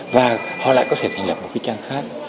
và họ lại có thể thành lập một cái trang khác